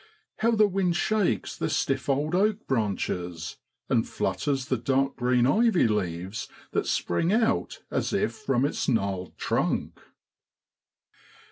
How the wind shakes the stiff old oak branches, and flutters the dark green ivy leaves that spring out as if from its gnarled trunk!